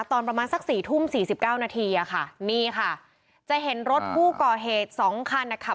ตอนประมาณสักสี่ทุ่มสี่สิบเก้านาทีอ่ะค่ะนี่ค่ะจะเห็นรถผู้ก่อเหตุสองคันนะคะ